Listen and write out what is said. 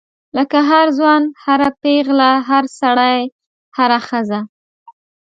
لکه هر ځوان هر پیغله هر سړی هره ښځه.